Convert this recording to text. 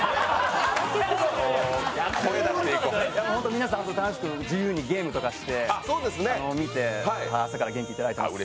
皆さん楽しく自由にゲームとかして見て、朝から元気をいただいています。